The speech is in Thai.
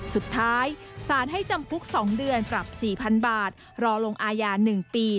สุดท้ายสารให้จำคุก๒เดือนปรับ๔๐๐๐บาทรอลงอาญา๑ปี